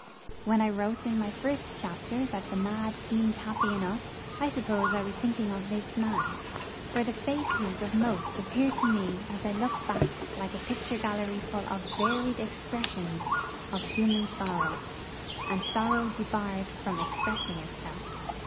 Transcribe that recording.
When I wrote in my first chapter that the mad seemed happy enough, I suppose I was thinking of this man; for the faces of most appear to me as I look back like a picture gallery full of varied expressions of human sorrow, and sorrow debarred from expressing itself.